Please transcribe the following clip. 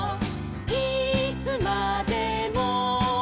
いつまでも」